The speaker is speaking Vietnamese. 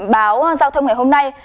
báo giao thông ngày hôm nay